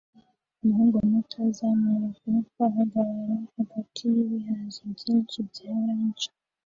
Umuhungu muto uzamura ukuboko ahagarara hagati y'ibihaza byinshi bya orange